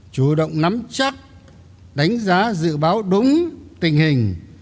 chủ động nắm chắc đánh giá dự báo đúng tình hình